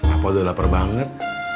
apa udah lapar banget